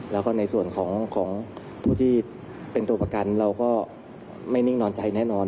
แล้วก็ในส่วนของผู้ที่เป็นตัวประกันเราก็ไม่นิ่งนอนใจแน่นอน